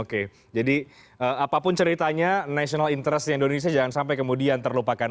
oke jadi apapun ceritanya national interest di indonesia jangan sampai kemudian terlupakan